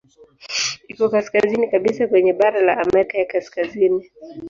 Iko kaskazini kabisa kwenye bara la Amerika ya Kaskazini.